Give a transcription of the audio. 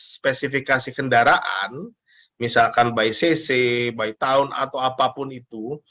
spesifikasi kendaraan misalkan by cc by town atau apapun itu